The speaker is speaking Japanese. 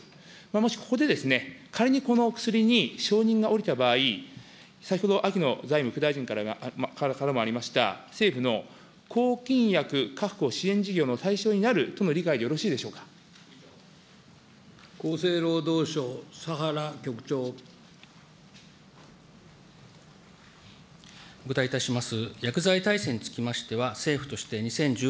もしここで仮にこの薬に、承認が下りた場合、先ほど秋野財務副大臣からもありました、政府の抗菌薬確保支援事業の対象になるとの理解でよろしいでしょ厚生労働省、お答えいたします。